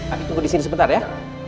kami tunggu di sini sebentar ya